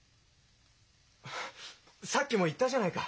さっきも言ったじゃないか。